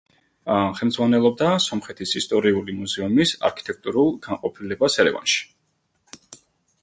ხელმძღვანელობდა სომხეთის ისტორიული მუზეუმის არქიტექტურულ განყოფილებას ერევანში.